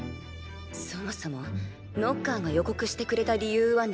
そもそもノッカーが予告してくれた理由は何なのでしょう？